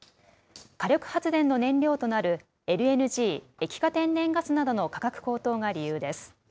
火力発電の燃料となるＬＮＧ・液化天然ガスなどの価格高騰が理由です。